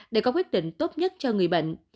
để có quyết định tốt nhất cho người bệnh